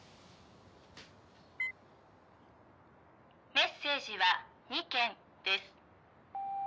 「メッセージは２件です」